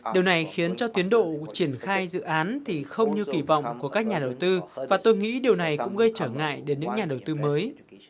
điều này khiến cho tiến độ triển khai dự án thì không như kỳ vọng của các nhà đầu tư và tôi nghĩ điều này cũng gây trở ngại đến những nhà đầu tư mới